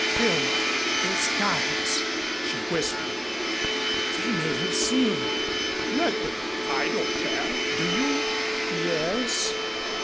"Phil! Those guides," she whispered. "They may have seen." "Let them. I don't care. Do you?" "Ye s.